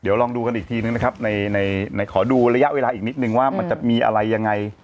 เดี๋ยวลองดูกันอีกทีนึงนะครับในขอดูระยะเวลาอีกนิดนึงว่ามันจะมีอะไรยังไง